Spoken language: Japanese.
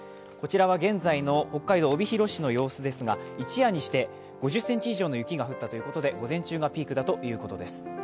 こちらは現在の北海道帯広市の様子ですが、一夜にして５０ｃｍ以上の雪が降ったということで午前中がピークだということです。